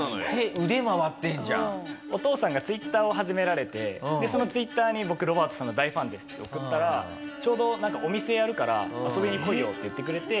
お父さんがＴｗｉｔｔｅｒを始められてそのＴｗｉｔｔｅｒに「僕ロバートさんの大ファンです」って送ったら「ちょうどお店やるから遊びに来いよ」って言ってくれて。